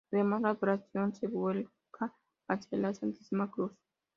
Además la adoración se vuelca hacia la Santísima Cruz.